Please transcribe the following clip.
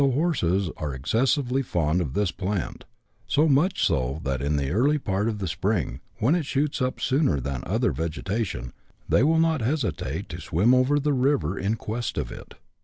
Horses are excessively fond of this plant, so much so, that in the early part of the spring, when it shoots up sooner than other vegetation, they will not hesitate to swim over the river in quest of it.